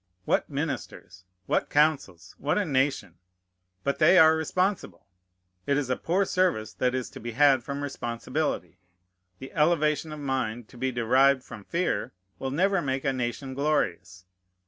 What ministers! What councils! What a nation! But they are responsible. It is a poor service that is to be had from responsibility. The elevation of mind to be derived from fear will never make a nation glorious.